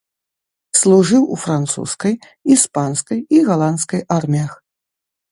Служыў у французскай, іспанскай і галандскай арміях.